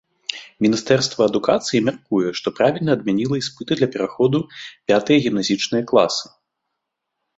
Міністэрства адукацыі мяркуе, што правільна адмяніла іспыты для пераходу пятыя гімназічныя класы.